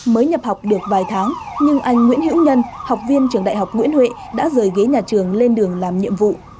mới nhập học được vài tháng nhưng anh nguyễn hiễu nhân học viên trường đại học nguyễn huệ đã rời ghế nhà trường lên đường làm nhiệm vụ